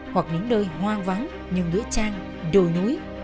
hoặc những nơi hoang vắng như nữ trang đồi núi